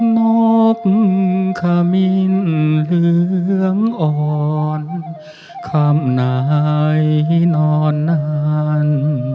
นกขมินเหลืองอ่อนคำไหนนอนนาน